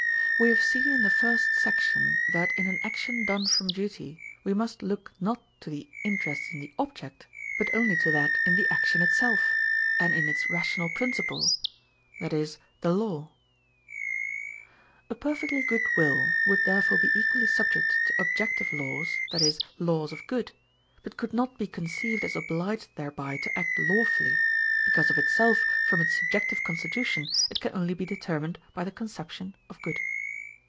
We have seen in the first section that in an action done from duty we must look not to the interest in the object, but only to that in the action itself, and in its rational principle (viz., the law). A perfectly good will would therefore be equally subject to objective laws (viz., laws of good), but could not be conceived as obliged thereby to act lawfully, because of itself from its subjective constitution it can only be determined by the conception of good.